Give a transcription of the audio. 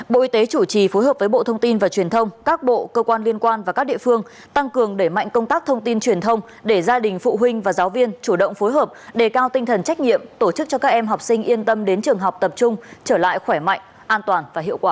bộ y tế chủ trì phối hợp với bộ thông tin và truyền thông các bộ cơ quan liên quan và các địa phương tăng cường đẩy mạnh công tác thông tin truyền thông để gia đình phụ huynh và giáo viên chủ động phối hợp đề cao tinh thần trách nhiệm tổ chức cho các em học sinh yên tâm đến trường học tập trung trở lại khỏe mạnh an toàn và hiệu quả